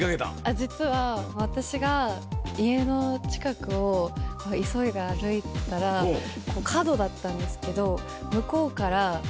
実は私が家の近くを急いで歩いてたら角だったんですけど。